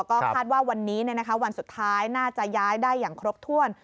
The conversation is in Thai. ก็คาดว่าวันนี้วันสุดท้ายน่าจะย้ายได้อย่างครบถ้วน